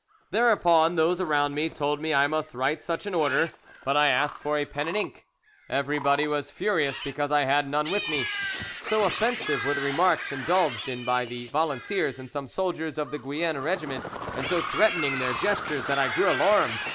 Thereupon those around me told me I must write such an order, but I asked for a pen and ink; everybody was furious because I had none with me. So offensive were the remarks indulged in by the volunteers and some soldiers of the Guienne regiment, and so threatening their gestures, that I grew alarmed.